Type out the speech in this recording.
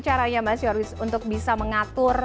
caranya mas yoris untuk bisa mengatur